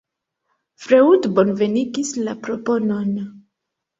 Freud bonvenigis la proponon.